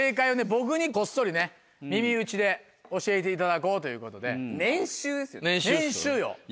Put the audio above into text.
僕にこっそりね耳打ちで教えていただこうということで。